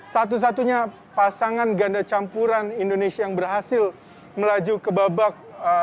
satu satunya pasangan ganda campuran indonesia yang berhasil melaju ke babak